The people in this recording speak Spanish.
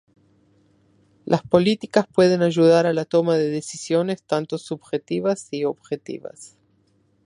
Las políticas pueden ayudar a la toma de decisiones tanto subjetivas y objetivas.